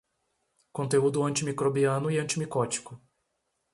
Conteúdo antimicrobiano e antimicótico